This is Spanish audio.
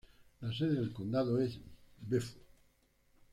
La sede del condado es Beaufort.